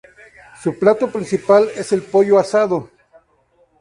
Su plato principal es el "pollo asado".